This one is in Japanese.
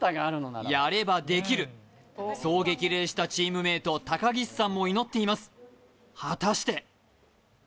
やればできる、そう激励したチームメイト、高岸さんも祈っています、果たして？